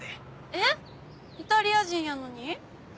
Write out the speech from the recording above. えっイタリア人やのに？